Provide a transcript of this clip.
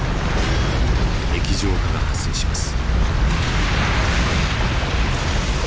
液状化が発生します。